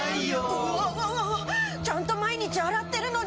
うわわわわちゃんと毎日洗ってるのに。